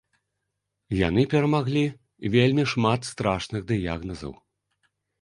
Яны перамаглі вельмі шмат страшных дыягназаў.